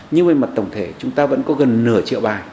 nhưng về mặt tổng thể chúng ta vẫn có gần nửa triệu bài